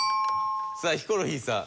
さあヒコロヒーさん。